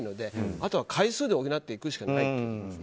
あとは回数で補っていくしかないと思います。